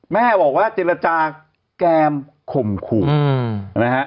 แม่บอกว่าเจรจาแกมข่มขู่นะฮะ